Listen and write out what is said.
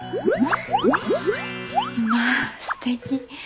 まあすてき。